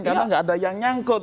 karena tidak ada yang menyangkut